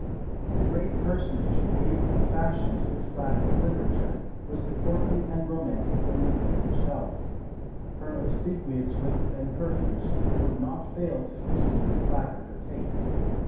The great personage who gave a fashion to this class of literature was the courtly and romantic Elizabeth herself; her obsequious wits and courtiers would not fail to feed and flatter her taste.